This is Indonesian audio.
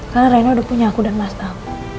karena rena udah punya aku dan mas tau